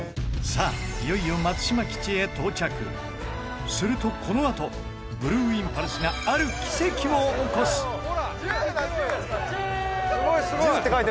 さあ、いよいよ松島基地へ到着すると、このあとブルーインパルスがある奇跡を起こす千賀：１０だ！